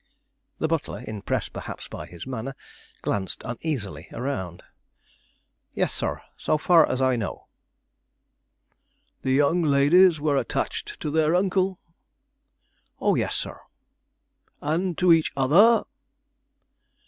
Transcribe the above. The butler, impressed perhaps by his manner, glanced uneasily around. "Yes, sir, so far as I know." "The young ladies were attached to their uncle?" "O yes, sir." "And to each other?"